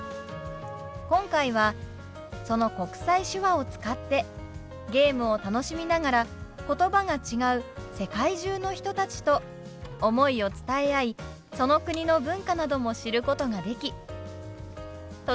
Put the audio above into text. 今回はその国際手話を使ってゲームを楽しみながら言葉が違う世界中の人たちと思いを伝え合いその国の文化なども知ることができとても貴重な経験ができました！